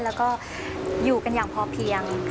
แล้วก็อยู่กันอย่างพอเพียง